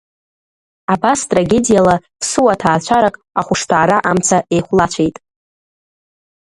Абас трагедиала ԥсуа ҭаацәарак ахәышҭаара амца еихәлацәеит.